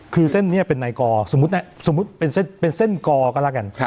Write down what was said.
คือเส้นนี้เป็นนายกอสมมุติเป็นเส้นกอก็แล้วกัน